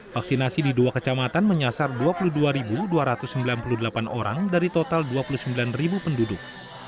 vaksinasi di dua kecamatan menyasar dua puluh dua dua ratus sembilan puluh delapan orang dari total dua puluh sembilan penduduk